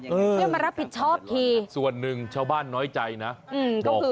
ช่วยมารับผิดชอบทีส่วนหนึ่งชาวบ้านน้อยใจนะบอก